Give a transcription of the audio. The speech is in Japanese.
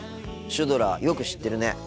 シュドラよく知ってるね。